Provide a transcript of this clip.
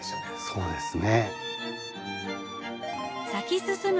そうですね。